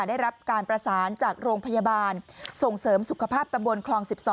ได้รับการประสานจากโรงพยาบาลส่งเสริมสุขภาพตำบลคลอง๑๒